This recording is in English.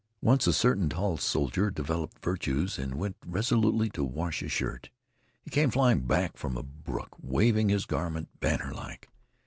Once a certain tall soldier developed virtues and went resolutely to wash a shirt. He came flying back from a brook waving his garment bannerlike.